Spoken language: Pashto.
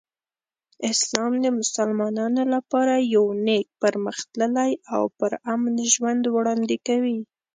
اسلام د مسلمانانو لپاره یو نیک، پرمختللی او پرامن ژوند وړاندې کوي.